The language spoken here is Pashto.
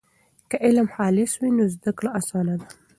که علم خالص وي نو زده کړه اسانه ده.